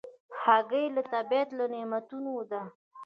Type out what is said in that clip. هګۍ د طبیعت له نعمتونو ده.